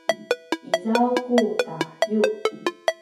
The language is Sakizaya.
izaw ku tayu